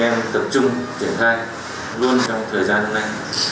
đề cập trung triển khai luôn trong thời gian hôm nay